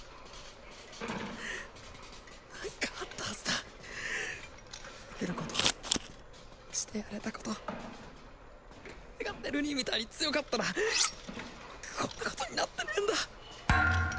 もっと何かあったはずだできることしてやれたこと俺が輝兄ぃみたいに強かったらこんなことになってねえんだっ